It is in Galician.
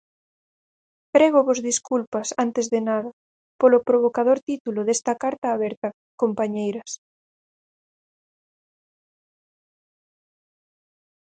Prégovos desculpas, antes de nada, polo provocador título desta carta aberta, compañeiras.